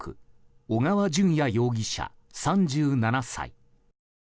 小川順也容疑者、３７歳。